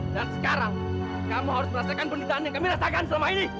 dan sekarang kamu harus merasakan penderitaan yang kami rasakan selama ini